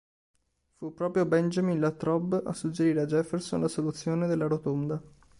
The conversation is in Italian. Fu proprio Benjamin Latrobe a suggerire a Jefferson la soluzione della Rotonda.